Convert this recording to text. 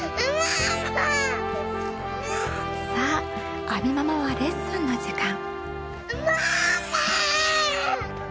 さあ亜美ママはレッスンの時間。